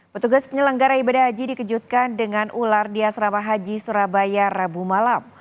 petugas penyelenggara ibadah haji dikejutkan dengan ular di asrama haji surabaya rabu malam